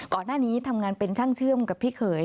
ก่อนหน้านี้ทำงานเป็นช่างเชื่อมกับพี่เขย